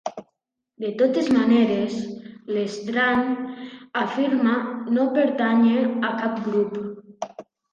De totes maneres, l'Estrany afirma no pertànyer a cap grup.